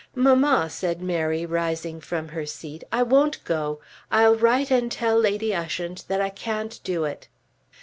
"Mamma," said Mary, rising from her seat, "I won't go. I'll write and tell Lady Ushant that I can't do it."